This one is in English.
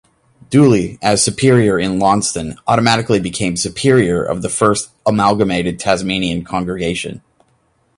Dooley as Superior in Launceston automatically became Superior of the first amalgamated Tasmanian Congregation.